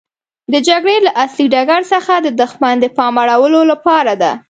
د جګړې له اصلي ډګر څخه د دښمن د پام اړولو لپاره ده.